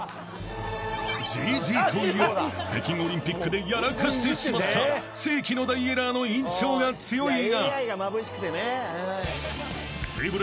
［Ｇ．Ｇ．といえば北京オリンピックでやらかしてしまった世紀の大エラーの印象が強いが］